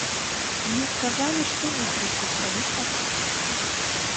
Мне сказалі, што выклічуць, калі спатрэбіцца.